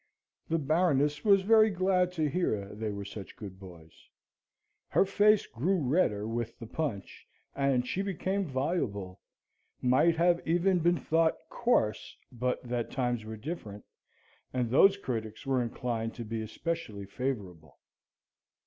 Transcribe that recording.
The Baroness was very glad to hear they were such good boys. Her face grew redder with the punch; and she became voluble, might have been thought coarse, but that times were different, and those critics were inclined to be especially favourable.